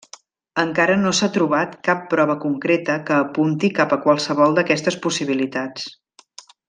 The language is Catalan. Encara no s'ha trobat cap prova concreta que apunti cap a qualsevol d'aquestes possibilitats.